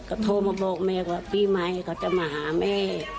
ก็โทรมาบอกแม่ว่าปีใหม่เขาจะมาหาแม่